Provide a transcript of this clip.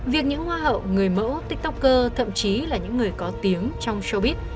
việc những hoa hậu người mẫu tiktoker thậm chí là những người có tiếng trong sobit